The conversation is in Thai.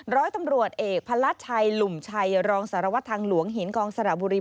ร้อยตำรวจเอกพระราชชัยหลุมชัยรองสารวัตรทางหลวงหินกองสระบุรี